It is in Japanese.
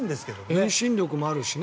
遠心力もあるしね。